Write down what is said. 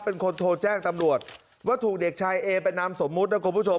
เป็นคนโทรแจ้งตำรวจว่าถูกเด็กชายเอเป็นนามสมมุตินะคุณผู้ชม